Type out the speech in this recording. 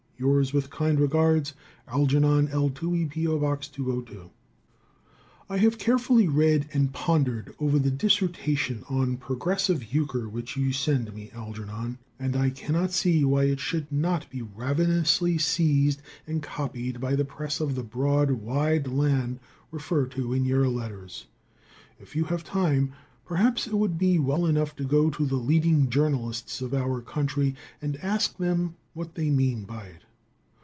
Yours with kind regards, Algernon L. Tewey. P.O. Box 202. I have carefully read and pondered over the dissertation on progressive euchre which you send me, Algernon, and I cannot see why it should not be ravenously seized and copied by the press of the broad, wide land referred to in your letters. If you have time, perhaps it would be well enough to go to the leading journalists of our country and ask them what they mean by it.